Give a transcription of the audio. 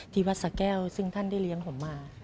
ที่วัดสะแก้วซึ่งท่านได้เลี้ยงผมมา